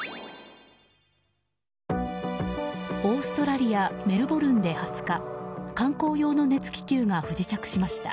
オーストラリア・メルボルンで２０日観光用の熱気球が不時着しました。